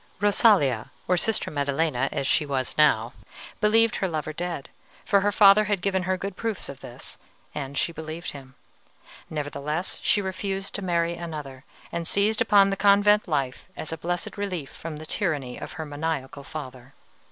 "Rosalia or Sister Maddelena, as she was now believed her lover dead, for her father had given her good proofs of this, and she believed him; nevertheless she refused to marry another, and seized upon the convent life as a blessed relief from the tyranny of her maniacal father.